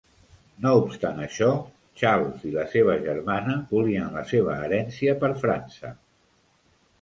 No obstant això, Charles i la seva germana volien la seva herència per França.